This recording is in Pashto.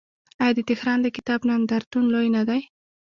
آیا د تهران د کتاب نندارتون لوی نه دی؟